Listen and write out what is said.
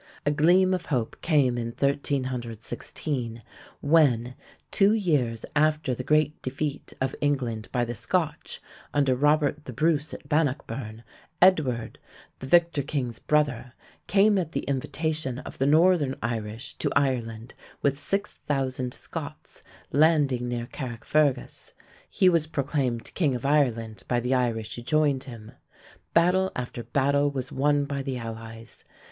A gleam of hope came in 1316, when, two years after the great defeat of England by the Scotch under Robert the Bruce at Bannockburn, Edward, the victor king's brother, came at the invitation of the northern Irish to Ireland with 6,000 Scots, landing near Carrickfergus. He was proclaimed king of Ireland by the Irish who joined him. Battle after battle was won by the allies.